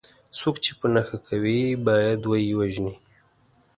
څوک چې په نښه کوي باید وه یې وژني.